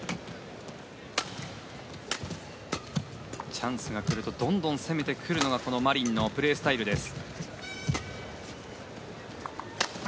チャンスが来るとどんどん攻めてくるのがマリンのプレースタイルです。